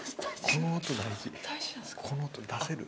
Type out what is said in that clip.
この音出せる？